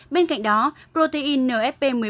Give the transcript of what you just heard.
bên cạnh đó protein nfp một mươi bốn